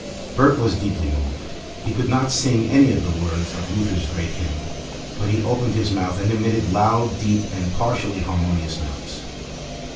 Bert was deeply moved. He could not sing any of the words of Luther's great hymn, but he opened his mouth and emitted loud, deep, and partially harmonious notes....